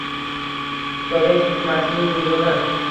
Sovet hukumatining buyrug‘i!